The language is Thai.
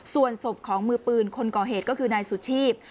ส่วนศพของมือปืนคนก่อเหตุก็คือนายสุชีพ